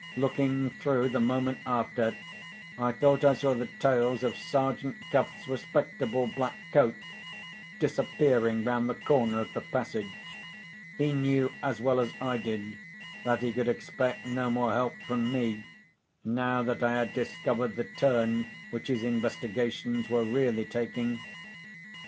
Looking through, the moment after, I thought I saw the tails of Sergeant Cuff's respectable black coat disappearing round the corner of the passage. He knew, as well as I did, that he could expect no more help from me, now that I had discovered the turn which his investigations were really taking.